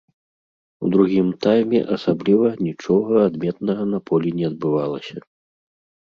У другім тайме асабліва нічога адметнага на полі не адбывалася.